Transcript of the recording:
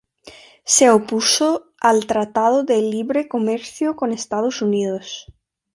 Se opuso al Tratado de Libre Comercio con Estados Unidos.